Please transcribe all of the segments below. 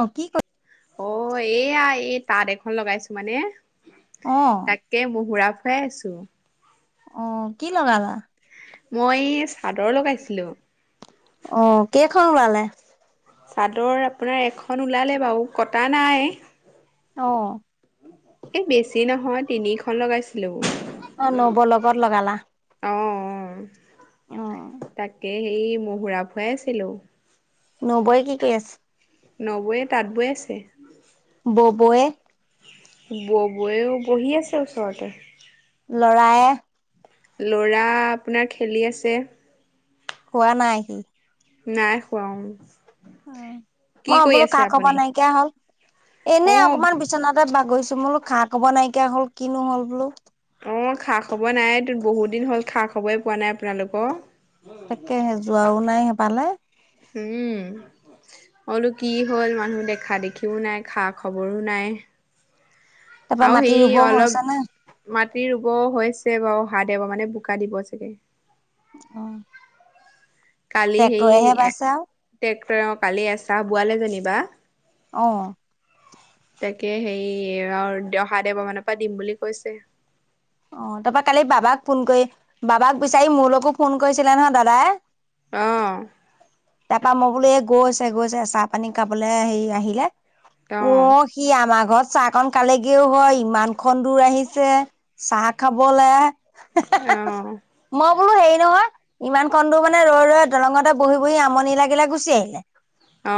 অ কি ক অ এয়া এই তাঁত এখন লগাইছো মানে। অ তাকে মহুৰা ফূৰাই আছো। অ কি লগালা? মই চাদৰ লগাইছিলো। অ কেইখন ওলালে। চাদৰ আপোনাৰ এখন ওলালে বাৰু কটা নাই। অহ। এ বেছি নহয় তিনিখন লগাইছো। অ হেল্ল' নবৌৰ লগত লগালা? অ, অ। অ হে হেই মহুৰা ফূৱাই আছিলো। ন'বৈ কি কি আছে? নবৈয়ে তাঁত বৈ আছে। ববৌয়ে? ববৈও বহি আছে ওচৰতে। ল'ৰায়ে। ল'ৰা আপোনাৰ খেলি আছে খোৱা নাই সি নাই হুৱা উ মই বোলো কা খব নাইকিয়া হল এনে অ' অকমান বিচনাতে বা গৈছো বোলো খা খব নাইকিয়া হল কিনো হ'ল বোলো অ খা খবৰ নাই বহুত দিন হ'ল খা খবৰে পোৱা নাই আপোনালোকৰ তাকে সে যোৱাও নাই সে ফালে উম অলো কি হ'ল মানুহ দেখা দেখিও নাই খা খবৰো নাই তাৰপা আৰু মাটি সেই ৰুব অলপ হৈছে নে? মা কি ৰুব হৈছে বাৰু হা দিব মানে বোকা দিব চাগে অহ কালি সেই আও। টেক্টৰ কালি এচাহ বোৱালে যেনি বা অহ তাকে সেই আৰু অহা দেওঁবা মানৰ পৰা দিম বুলি কৈছে অ তাৰপৰা কালি বাবাক ফোন কৰি বাবাক বিচাৰি মোৰ লগো ফোন কৰিছিলে নহয় দাদাই অহ তাপা মই বোলো এই গৈছে গৈছে চাহ পানী খাবলৈ হেৰি আহিলে অ সি আমাৰ ঘৰত চাহখন খালেগেও হয় ইমানখন দূৰ আহিছে চাহ খাবলৈ হে হে অ', মই বোলো হেৰি নহয় ইমান খণ্ড মানে ৰৈ ৰৈ দলঙতে বহি বহি আমনি লাগিলে গুচি আহিলে অ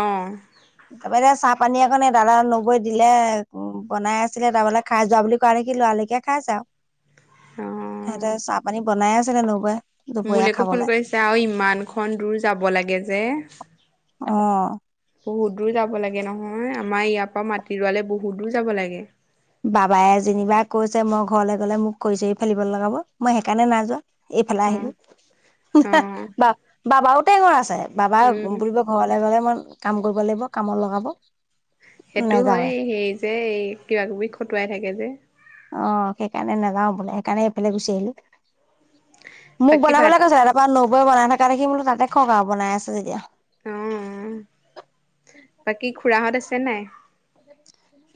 তাৰপৰা এতিয়া চাহ পানী অকণে দাদা নগৈ দিলে বনাই আছিলে তাৰমানালে খাই যোৱা বুলি কোৱা নেকি ল'ৰালকে খাইছে আৰু সিহঁতে চাহ পানী বনাই আছে নবৌ য়ে মূলেক ফোন কৰিছে আৰু ইমানখন দূৰ যাব লাগে যে অ বহুত দূৰ যাব লাগে নহয় আমাৰ ইয়াৰ পৰা মাটিৰুৱালে বহুত দূৰ যাব লাগে বাবাই যেনিবা কৈছে মই ঘৰলৈ গলে মোক খৰি চৰি ফেলিব লগাব মই সেইকাৰণে নাযোৱা এইফালে অ', অ', আহিলো বাবাওটে টেঙৰ আছে বাবা উম, বোলিব ঘৰলে ঘলে ই কাম কৰিব লাগিব কামত লগাব সেইটো হয় নেযাওৱে সেই যে এই কিবা কিবি খটুৱাই থাকে যে অ সেইকাৰণে নাযাও বোলে সেইকাৰণে এইফালে গুচি আহিলো মোক বাকী ভাত বনাবলৈ কৈছে তাৰ পৰাা নবৈ বনাই থকা দেখি বোলো তাতে কওক আৰু বনাই আছে যেতিয়া অ বাকী খুৰাহত আছে নাই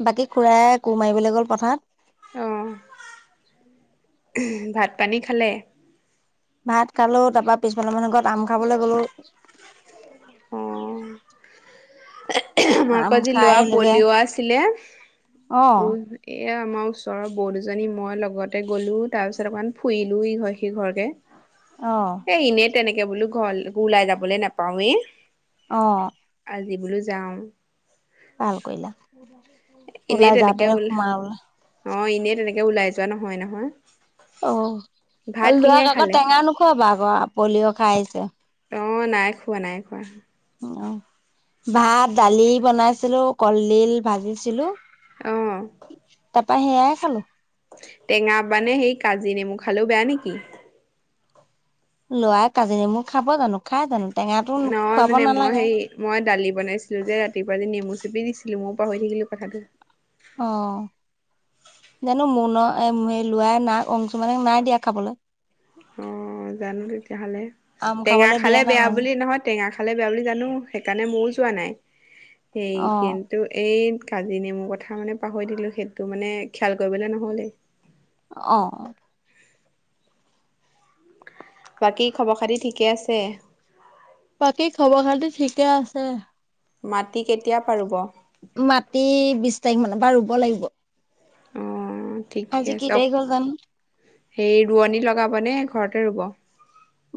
বাকী খুৰা কোৰ মাৰিবলৈ গ'ল পথাৰ অ', [unintelligible] ভাত পানী খালে ভাত খালো তাৰ পৰাা পিছফালৰ মানৰ ঘৰত আম খাবলৈ গলো [unintelligible] আম আমাকৰ যি খাই লোৱা আহিলোগে পলিঅ' আছিলে অ উ এয়া আমাৰ ওচৰৰ বহ দুজনী মই লগতে গ'লোঁ তাৰপিছত অকণমান ফুৰিলোঁ ইঘৰ সিঘৰকৈ অ এ এনেই তেনেকে বোলো ঘৰ ওলাই যাবলে নাপাওৱে অহ আজ বলো যাওঁ ভাল কৰিলা এনেই ওলাই তেনেকে যাতে ওল সোমা বলে অ এনেই তেনেকে ওলাই যোৱা নহয় নহয় অ ভাত কিহে লৰাক আকৌ খালে? টেঙা নোখোৱাবা আকৌ পলিঅ' খাই আহিছে অ', নাই খোৱা, নাই খোৱা। অ ভাত দালি বনাইছিলো কলডিল ভাজিছিলো অহ তাপা সেয়াই খালো টেঙা পানে সেই কাজি নেমু খালেও বেয়া নেকি? ল'ৰাই কাজি নেমু খাব জানো, খাই জানো? টেঙাটো নহয় খুৱাব মানে মই নালাগে হে মই দালি বনাইছিলো যে ৰাতিপুৱা যে নেমু চেপি দিছিলো। আজি মই পাহৰি থাকিলো কথাটো। অহ। জানো মনৰ ল'ৰাই না অংচু মে নাই দিয়া খাবলৈ। অ অ জানো তেতিয়াহ'লে আম টেঙা খাবলৈ খালে দিয়া নাই বেয়া বুলি নহয় টেঙা খালে বেয়া বুলি জানো সেইকাৰণে ময়। চোৱা নাই সেই অ কিন্তু এই কাজি নেমুৰ কথা মানে পাহৰি দিলো। সেইটো মানে খেয়াল কৰিবলৈ নহ'লে। অ বাকী খবৰ খাতি ঠিকে আছে। বাকী খবৰ খাতি ঠিকে আছে। মাটি কেতিয়া পৰা ৰুব। মাটি বিশ তাৰিখ মানৰ বা ৰুব লাগিব। অ ঠিকে আজি কি আছেওক। তাৰিখ হ'ল জানো সেই ৰোৱনী লগাব নে ঘৰতে ৰুব।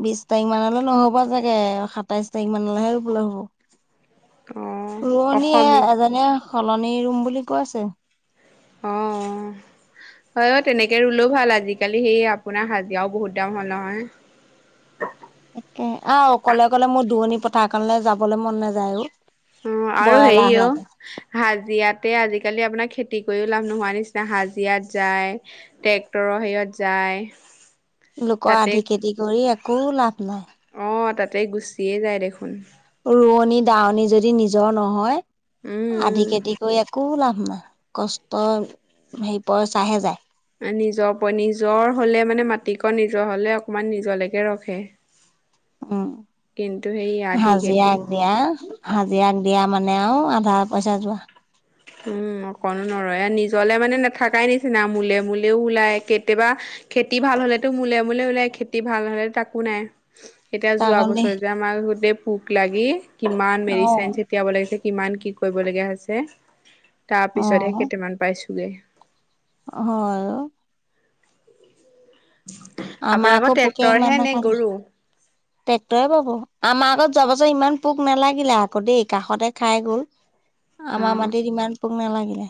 বিশ তাৰিখ মানলৈ নহব চাগে সাতাইশ তাৰিখ মানলৈহে ৰুবলৈ হ'ব। অ', অসমী ৰোৱনীয়ে এজনে সলনি ৰুম বুলি কৈছে। অঁ অ, অ তেনেকে ৰুলেও ভাল আজিকালি সেই আপোনাৰ হাজিৰাও বহুত দাম হ'ল নহয়। একে আহ অ', অকলে অকলে মোৰ দোৱণি পথাৰ কাৰণলৈ যাবলৈ মন নাযায়ও। অ আৰু হেৰি অ হাজিৰাতে আজিকালি আপোনাৰ খেতি। খতি কৰিও লাভ নোহোৱা নিচিনা হাজিৰাত যায় ট্ৰেক্টৰৰ হেৰিত যায়। লোকৰ তাতে আধি খেতি কৰি একো লাভ নাই। অ তাতে গুচিয়ে যায় দেখোন। ৰোৱনী দাৱনী যদি নিজৰ নহয় আধি উম, খেতি কৰি একো একো লাভ নাই। কষ্ট হেৰি পইচাহে যায়। নিজৰ নিজৰ হলে মানে মাটিকন নিজৰ হ'লে অকমান নিজলৈকে ৰখে। উম কিন্তু সেই আধি খেতি হাজিৰাক দিয়া হাজিৰাাক দিয়া মানে। মানে আ আধা পইচা যোৱা। উম অকণো নৰয় নিজলে মানে নাথাকাই নিচিনা মোলে মলেও ওলায় কেতিয়াবা খেতি ভাল হলেতো মোলে মোলে ওলাই খেতি ভাল হলে তাকো নাই। এতিয়া তাৰ যোৱা কাৰণে বছৰ যে আমাক গোতে পোক লাগি কিমান অ মেডিচন চটিয়াব লাগি। কিমান কি কৰিবলগীয়া হৈছে। তাৰ অ পিছতহে কেইটামান পাইছোগে হয়। আমা আপোনালোকৰ পোকে ইমান ট্ৰেক্টৰহে নে নাখালে। গৰু টেক্টৰে পাব। আমাৰ আগত যোবছৰ ইমান পোক নালাগিলে আকৌ দেই কাষতে খাই গ'ল। অ, আমাৰ মাটিত ইমান পোক নালাগিলে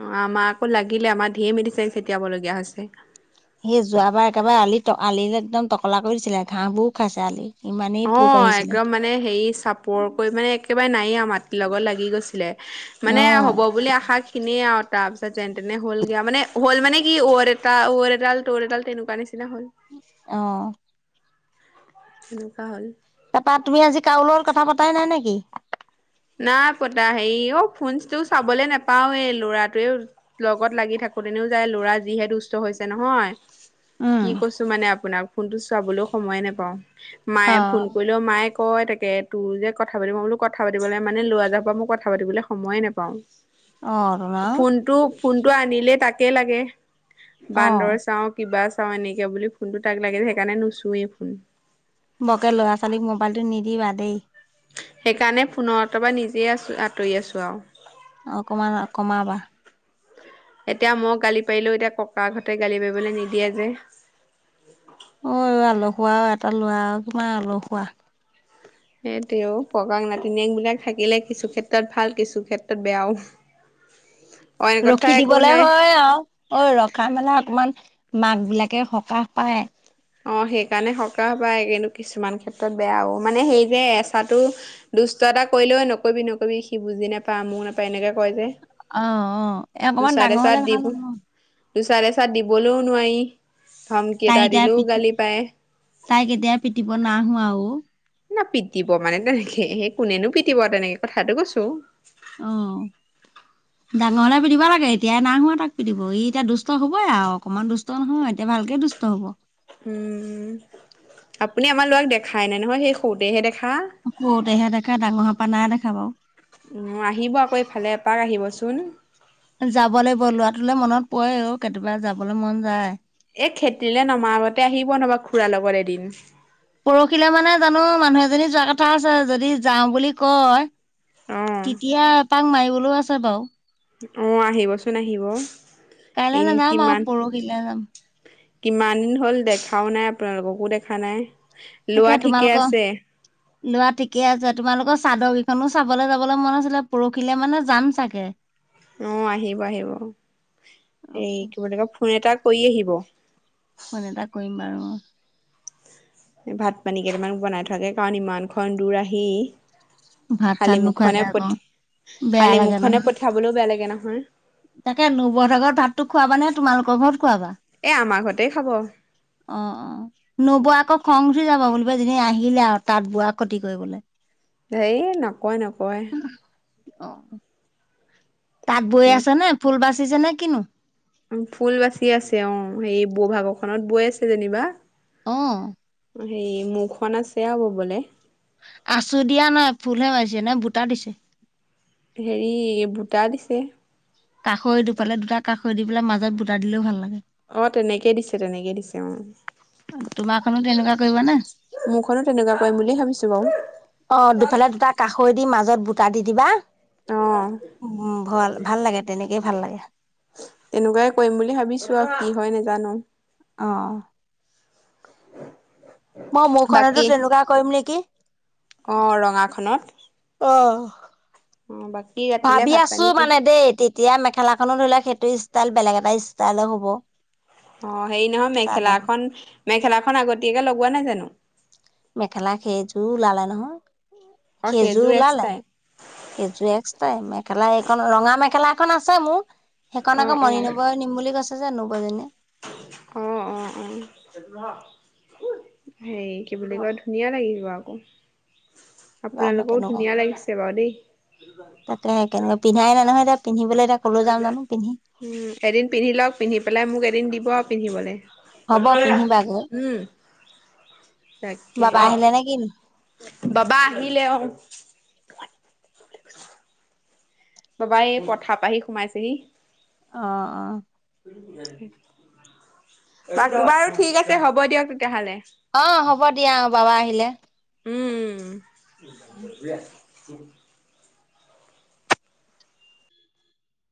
অ আমাক আকৌ লাগিলে আমাৰ ধিয়ে মেডিচিন। চতিয়াবলগীয়া হৈছে। সেই কলা কৰিছিলে ঘাঁহবু খাইছে আলি। ইমানেই অ পোক আহিছিলে একদম মানে হেৰি চাপৰ কৰি মানে একেবাৰে নাইে মাটিৰ লগত লাগি গৈছিলে। অ মানে হ'ব বুলি আশা খিনিয়ে আৰু। তাৰ পিছত যেন তেনে হ'লগ মানে হ'ল মানে কি এটা এডাল এডাল তেনেকুৱা নি আহ এনেকুৱা হ'ল। তাৰাপা তুমি আজি কাউলগত কথা পতাই নাই নেকি? নাই পতা হেৰি অ ফোনচটো চাবলে নোপাওৱে ল'ৰাটোৱে লগত লাগি থাকো। আকৌ দিনেও যায় ল'ৰা যিহে দুষ্ট হৈছে নহয়। উম কি কৈছো মানে আপোনাক ফোনটো চোৱাবলৈও সময়ে নাপাওঁ অ মায়ে ফোন কৰিলেও মায়ে। কয় তাকে তোৰ যে কথা পাতিব বোলো কথা পাতিব লাগ মানে ল'ৰা যাহ পৰা মোক কথা পাতিবলৈ সময়ে নোপাওঁ। অহতোন। ফোনটো আনিলে তাকে লাগে অ বান্দৰ চাওঁ কিবা চাও। চাও এনেকিয়া বুলি ফোনতটো তাক লাগে যে সেইকাৰণে নুচোয়েই ফোন। বকে ল'ৰা ছোৱালীক মোবাইলতটো নিদিবা দেই। সেইকাৰণে ফোনৰ পৰা নিজে আছো আঁতৰি আছো আৰু। অ কম কমাবা, কমাবা। এতিয়া মই গালি পাৰিলেও এতিয়া ককা আ হতে গালি পাৰিবলৈ নিদিয়ে যে। অ আলহুৱ আৰু এটা লৰা আৰু কিমান আলহসুৱা। সেইটোও ককা নাতিনক বিলাক থাকিলে কিছু ক্ষেত্ৰত ভাল কিছু ক্ষেত্ৰত বেয়াও। অইন কথা ৰখি একো দিবলে নাই। হয় আৰু অ ৰখা মেলা অকমান। মাক বিলাকে সকাহ পায়। অ সেইকাৰণে সৰকাহ পাই কিন্তো কিছুমান ক্ষেত্ৰত বেয়াও মানে সেই যে এচাটো। দুষ্ট এটা কৰিলেও নকবি নকবি সি বুজি নাপায় মোৰও নাপায় এনেকৈ কয় যে। অ অ এ অকমান ডাঙৰ হলে ভাল হ'ব। দুচাট এচাট দিবলৈও নোৱাৰি ধামকিএটা। কেতিয়া পি তাই কেতিয়া পিটিব নাহোৱাও। না পিটিব মানে তেনেকে সেই কোনেনো পিটব তেনেকে কথাটো কৈছো। আহ। ডাঙৰ হ'লে পিতিব লাগে এতিয়াই নাই হোৱা তাক পিতিব ই এতিয়া দুষ্ট হ'বই আৰু অকণমান দুষ্ট নহয় এতিয়া ভালকে দুষ্ট। হ'ব। উম আপুনি আমাৰ ল'ৰাক দেখাই নাই নহয়। সেই সৰুতেহে দেখা। সৰুতে হে দেখা ডাঙৰ হোৱাৰ পৰা নাই দেখা। উম আহিব, আকৌ ইফালে এপাক আহিবচোন। যাব লাগিব ল'ৰাটোলে মনত পৰে অ কেতিয়াবা যাবলৈ মন যায়। এ খেতিলে নমা আগতে আহিব নবা খুুৰাৰ লগত এদিন। পৰহিলে মানে জানো মানুহ এজনী যোৱা কথা আছে। যদি যাওঁ বুলি কয় অ তেতিয়া এপাক মাৰিবলৈও আছে বাৰু। অ আহিবচোন আহিব। এ কাইলৈ ন নাম আ কিমান পৰহিলে যাম। কিমান দিন হ'ল দেখাও নাই আপোনালোককো দেখা নাই। তাকে লোৱা ঠিকে তোমালোকৰ আছে লোৱা ঠিকে আছে তোমালোকৰ। চাদৰকেইখনো চাবলৈ যাবলৈ মন আছিলে পৰহিলে মানে যাম চাগে। অ আহিব আহিব। এই কি বুলি ক ফোন এটা কৰি আহিব। ফোন এটা কৰিম বাৰু। ভাত পানী কেইটামান বনাই থাকে কাৰণ ইমানখনন দূৰ আহি। ভাত চাত খালী নোখোৱাকে মুখনে আকৌ পঠ বেয়া খালী লাগে মুখনে নহয় পঠিয়াবলৈও বেয়া লাগে নহয়। তাকে নবৰহত ঘৰত ভাতটো খোৱাবা নে তোমালোকৰ ঘৰত খোৱাবা। এ আমাৰ ঘৰতে খাব অ, অ নবোৱা আকৌ খং। উঠি যাবা বুলিব যেনি আহিলে আৰু তাত বোৱাৰ ক্ষতি কৰিবলৈ। হেই নকাই নকয়। অ তাত বৈ কি? আছে নে ফুল বাচিছে নে কিনো। ফুল বাচি আছে অ সেই ব ভাগৰখনত বৈ আছে যেনিবা। আহ হে মুখখন আছে আৰু ব'বলে। আছো দিয়া নাই ফুলহে মাৰিছে নাই বুটা দিছে। হেৰি ভুটা দিছে। কাষৈ দুফালে দুটা কাষৈ দি পেলাই মাজত বুটা দিলেও ভাল লাগে। অ তেনেকে দিছে তেনেকে দিছে অ। তোমাৰখনো তেনেকুৱা কৰিবা নে। মোৰখনো তেনেকুৱা কৰিম বুলি ভাবিছো বাৰু অ দুফালে দুটা কাষৈ দি মাজ মাজত বুটা দি দিবা অ। উম ভ ভাল লাগে তেনেকেই ভাল লাগে। তেনেকুৱাই কৰিম বুলি ভাবিছো আৰু কি হয় নাজানো। অ মই মোৰখনতো তেনেকুৱা কৰিম নেকি। অঁ ৰঙাখনত। অ অ বাকী ৰাতিলে ভাবি ভাত আছো পানী কি মানে দেই তেতিয়া। এতিয়া মেখেলাখনো ধৰি লও সেইটো ষ্টাইল বেলেগ এটা ষ্টাইলৰ হ'ব। অ হে নহয় চাদৰ মেখেলাখন মেখেলাখন আগতীয়াকে লগোৱা নাই জানো। মেখেলা খে জোৰ ওলালে নহয়। অ সেইজোৰ সেইযোৰ ওলালে এক্সট্ৰাই সেইজুৰ এক্সট্ৰাই মেখেলা এইকণ ৰঙা মেখেলা। সেইখন আছে মোৰ অ সেইখন আকৌ অ মণি নবৌ নিম বুলি কৈছে নোবৌজনীয়ে। অ, 'অ, 'অ। হে কি বুলি কয় ধুনীয়া লাগিব আকৌ। আপোনালোকেও ধুনীয়া লাগিছে বাৰু দেই। তাকে কেনেকে পিন্ধাই নে নহয় তাক পিন্ধিবলৈ এতিয়া ক'লৈ যাম জানো পিন্ধি উম এদিন পিন্ধি লওক পিন্ধি পেলাই মোক এদিন দিব আৰু পিন্ধিবলৈ। হ'ব পিন্ধিবাগৈ। উম তাকেই। বাবা আহিলে নে কিনো বাবা আহিলে অ। বাবা এই পথাৰ পৰা আহি সোমাইছেহি। অ, 'অ। বাক বাৰু ঠিক আছে হ'ব দিয়ক তেতিয়াহ'লে। অ হ'ব দিয়া অ বাবা আহিলে। উম। উম।